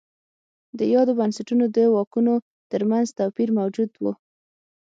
د یادو بنسټونو د واکونو ترمنځ توپیر موجود و.